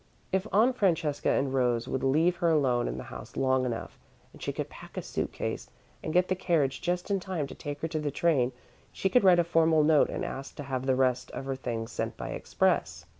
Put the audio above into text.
If Aunt Francesca and Rose would leave her alone in the house long enough, and she could pack a suit case and get the carriage just in time to take her to the train, she could write a formal note and ask to have the rest of her things sent by express.